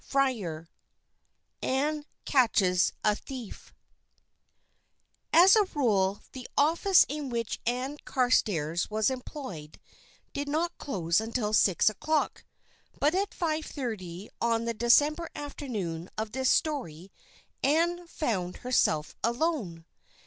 XXVIII ANN CATCHES A THIEF AS a rule the office in which Ann Carstairs was employed did not close until six o'clock, but at five thirty on the December afternoon of this story Ann found herself alone.